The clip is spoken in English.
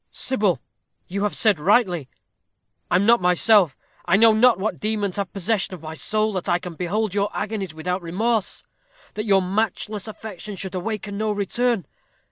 "Sybil, you have said rightly, I am not myself. I know not what demons have possession of my soul, that I can behold your agonies without remorse; that your matchless affection should awaken no return.